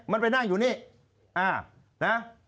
มันไปนั่งอยู่นี่นะ